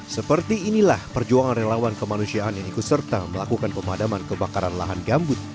seperti inilah perjuangan relawan kemanusiaan yang ikut serta melakukan pemadaman kebakaran lahan gambut